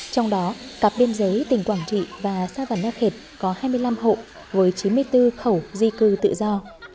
trong đó cặp biên giới tỉnh quảng trị và sa văn nha khệt có hai mươi năm hộ với chín mươi bốn khẩu di cư tự do